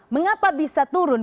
mengapa bisa turun